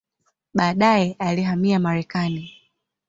Baadaye alihamia Marekani.